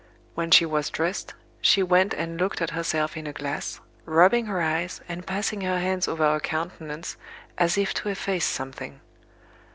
When she was dressed, she went and looked at herself in a glass, rubbing her eyes, and passing her hands over her countenance, as if to efface something.